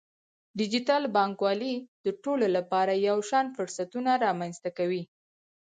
ډیجیټل بانکوالي د ټولو لپاره یو شان فرصتونه رامنځته کوي.